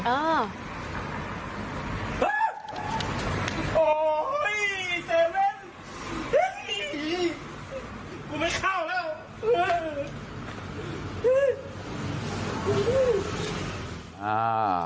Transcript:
กูไม่เข้าแล้ว